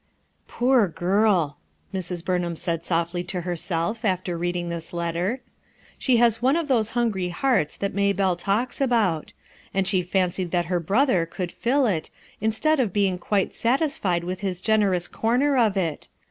7 "Poor girl I" Mrs, Burnham said softly to herself after reading this letter* "She has one of those hungry hearts that Maybelle talks about; and she fancied that her brother could fill it, instead of being quite satisfied with his generous corner of it!